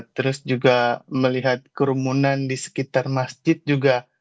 terus juga melihat kerumunan di sekitar masjid juga